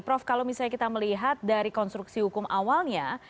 prof kalau misalnya kita melihat dari konstruksi hukum awalnya